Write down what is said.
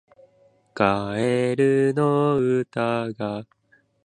カエルの歌が